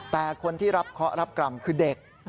แต่คนที่รับกรรมคือเด็ก